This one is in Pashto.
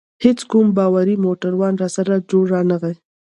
هیڅ کوم باوري موټروان راسره جوړ رانه غی.